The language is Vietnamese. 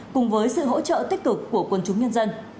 cùng với sự hỗ trợ tích cực của quân chúng nhân dân